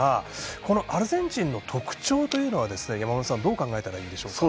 このアルゼンチンの特徴はどう考えたらいいんでしょうか。